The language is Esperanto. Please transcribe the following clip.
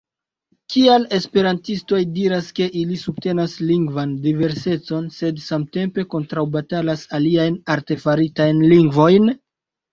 Kial esperantistoj diras, ke ili subtenas lingvan diversecon, sed samtempe kontraŭbatalas aliajn artefaritajn lingvojn?